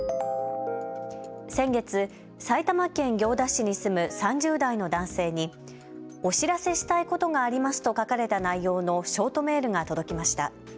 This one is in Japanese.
先月、埼玉県行田市に住む３０代の男性にお知らせしたいことがありますと書かれた内容のショートメールが届きました。